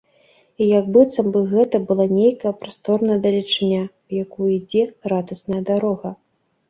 І як быццам бы гэта была нейкая прасторная далечыня, у якую ідзе радасная дарога.